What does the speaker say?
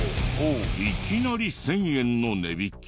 いきなり１０００円の値引き。